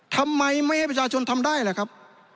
ทำไมไม่ให้ประชาชนทำได้ล่ะครับ